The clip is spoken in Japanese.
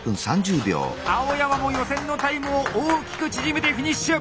青山も予選のタイムを大きく縮めてフィニッシュ！